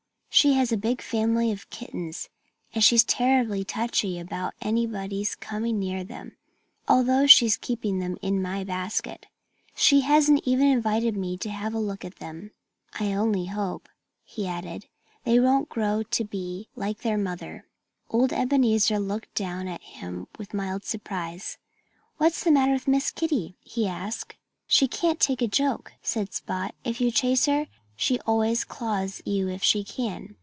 "She has a big family of kittens. And she's terribly touchy about anybody's coming near them. Although she's keeping them in my basket, she hasn't even invited me to have a look at them.... I only hope," he added, "they won't grow up to be like their mother." Old Ebenezer looked down at him with mild surprise. "What's the matter with Miss Kitty?" he asked. "She can't take a joke," said Spot. "If you chase her, she always claws you if she can."